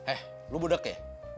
eh lu bodek ya